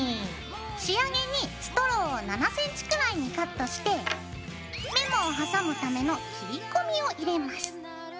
仕上げにストローを７ｃｍくらいにカットしてメモを挟むための切り込みを入れます。